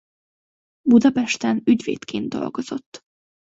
Budapesten ügyvédként dolgozott.